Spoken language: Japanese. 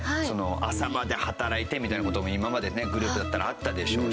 朝まで働いてみたいな事も今までねグループだったらあったでしょうし。